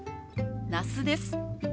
那須です。